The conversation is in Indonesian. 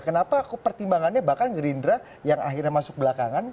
kenapa pertimbangannya bahkan gerindra yang akhirnya masuk belakangan